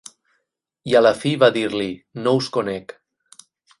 I a la fi va dir-li: No us conec.